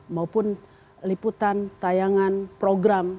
maupun liputan tayangan program